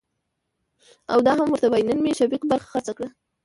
او دا هم ورته وايه نن مې شفيق برخه خرڅه کړه .